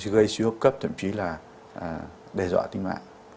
gây suy hợp cấp thậm chí là đe dọa tinh mạng